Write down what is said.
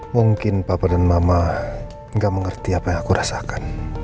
mungkin papa dan mama gak mengerti apa yang aku rasakan